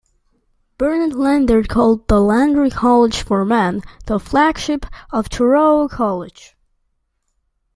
Bernard Lander called the Lander College for Men the "flagship" of Touro College.